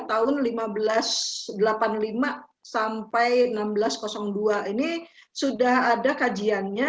tahun seribu lima ratus delapan puluh lima sampai seribu enam ratus dua ini sudah ada kajiannya